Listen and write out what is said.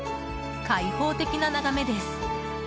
開放的な眺めです。